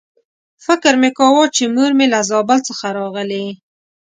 فکر مې کاوه چې مور مې له زابل څخه راغلې.